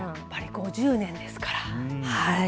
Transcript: ５０年ですから。